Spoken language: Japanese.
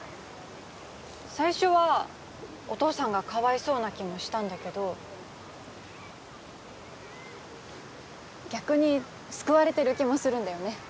最初はお父さんがかわいそうな気もしたんだけど逆に救われてる気もするんだよね